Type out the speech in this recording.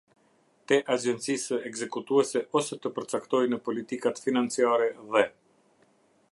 Te Agjencisë Ekzekutuese ose tëpërcaktojnë politikat financiare dhe.